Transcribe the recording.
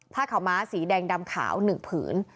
ผ้าขาวม้าสีแดงดำขาว๑ผืน